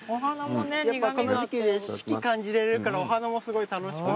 やっぱこの時季ね四季感じれるからお花もすごい楽しくて。